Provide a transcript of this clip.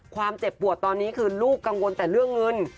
เจ็บปวดตอนนี้คือลูกกังวลแต่เรื่องเงิน